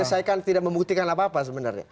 saya kan tidak membuktikan apa apa sebenarnya